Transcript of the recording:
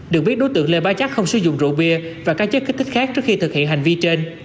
được biết đối tượng lê bá chắc không sử dụng rượu bia và các chất kích thích khác trước khi thực hiện hành vi trên